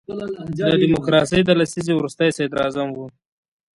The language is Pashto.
د ډیموکراسۍ د لسیزې وروستی صدر اعظم وو.